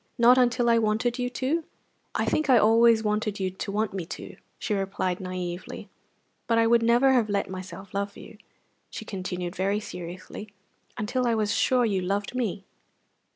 "Not until I wanted you to?" "I think I always wanted you to want me to," she replied, naïvely; "but I would never have let myself love you," she continued very seriously, "until I was sure you loved me."